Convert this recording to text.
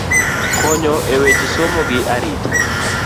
Konyo e weche somo go arita.